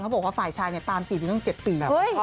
เขาบอกว่าฝ่ายชายเนี่ยตามสีนี้ต้องเจ็ดปี